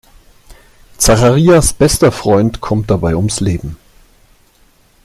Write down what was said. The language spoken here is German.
Zacharias' bester Freund kommt dabei ums Leben.